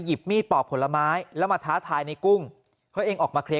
มีดปอกผลไม้แล้วมาท้าทายในกุ้งเขาเองออกมาเคลียร์